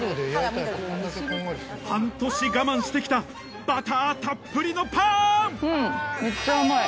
半年我慢して来たバターたっぷりのパン！